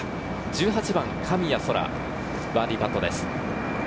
１８番、神谷そらのバーディーパットです。